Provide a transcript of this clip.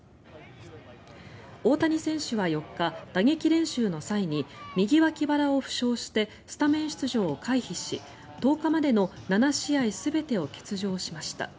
大谷選手は４日、打撃練習の際に右脇腹を負傷してスタメン出場を回避し１０日までの７試合全てを欠場しました。